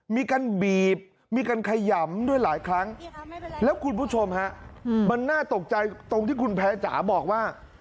มีการบีบมีการขยำด้วยหลายครั้งแล้วคุณผู้ชมฮะมันน่าตกใจตรงที่คุณแพร่จ๋าบอกว่า